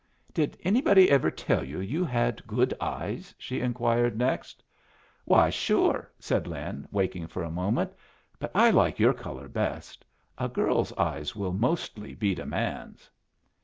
"Did anybody ever tell you you had good eyes?" she inquired next. "Why, sure," said Lin, waking for a moment; "but I like your color best. A girl's eyes will mostly beat a man's."